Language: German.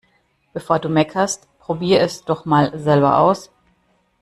Bevor du meckerst, probier' es doch mal selber aus!